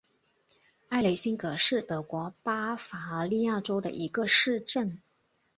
埃雷辛格是德国巴伐利亚州的一个市镇。